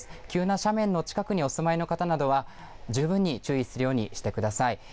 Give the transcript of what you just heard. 急な斜面の近くにお住まいの方などは十分に注意するようにしてください。